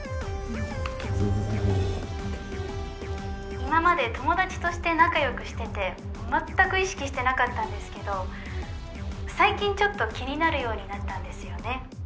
今まで友達として仲良くしててまったく意識してなかったんですけど最近ちょっと気になるようになったんですよね。